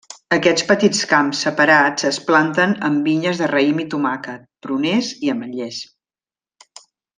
Aquests petits camps separats es planten amb vinyes de raïm i tomàquet, pruners i ametllers.